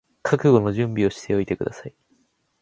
覚悟の準備をしておいてください